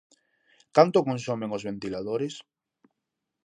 Canto consomen os ventiladores?